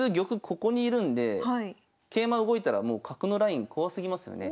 ここにいるんで桂馬動いたらもう角のライン怖すぎますよね。